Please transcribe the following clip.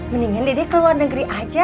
mendingan dede keluar negeri aja